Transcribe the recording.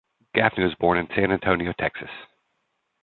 Gaffney was born in San Antonio, Texas.